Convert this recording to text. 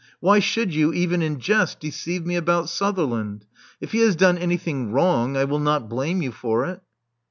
Why should you, even in jest, deceive me about vSutherland? If he has done anything wrong, I will not blame you for it."